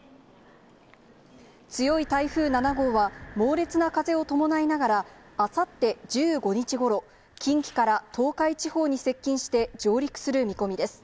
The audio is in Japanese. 強い台風７号は、猛烈な風を伴いながら、あさって１５日ごろ、近畿から東海地方に接近して、上陸する見込みです。